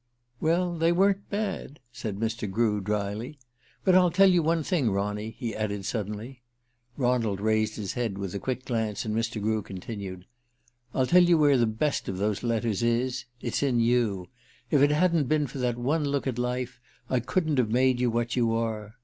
"Well, they weren't bad," said Mr. Grew drily. "But I'll tell you one thing, Ronny," he added suddenly. Ronald raised his head with a quick glance, and Mr. Grew continued: "I'll tell you where the best of those letters is it's in you. If it hadn't been for that one look at life I couldn't have made you what you are.